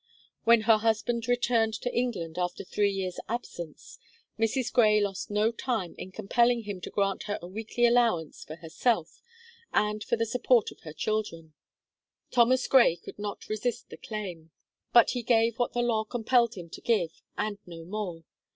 When her husband returned to England, after three years' absence, Mrs. Gray lost no time in compelling him to grant her a weekly allowance for herself, and for the support of her children. Thomas Gray could not resist the claim; but he gave what the law compelled him to give, and no more.